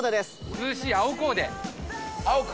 「涼しい青コーデ」！